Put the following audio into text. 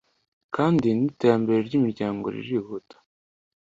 kandi n’iterambere ry’umuryango ririhuta.